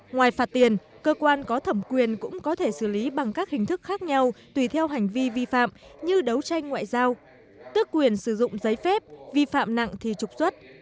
ngoài phạt tiền cơ quan có thẩm quyền cũng có thể xử lý bằng các hình thức khác nhau tùy theo hành vi vi phạm như đấu tranh ngoại giao tước quyền sử dụng giấy phép vi phạm nặng thì trục xuất